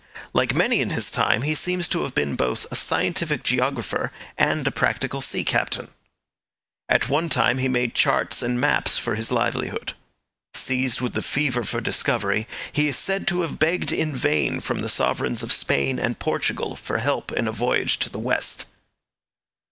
Like many in his time, he seems to have been both a scientific geographer and a practical sea captain. At one time he made charts and maps for his livelihood. Seized with the fever for discovery, he is said to have begged in vain from the sovereigns of Spain and Portugal for help in a voyage to the West.